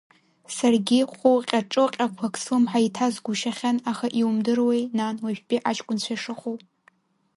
Саргьы хәылҟьа-ҿылҟьақәак слымҳа иҭасгәышьахьан, аха иумдыруеи, нан, уажәтәи аҷкәынцәа шыҟоу…